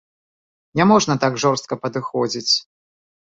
Не можна так жорстка падыходзіць.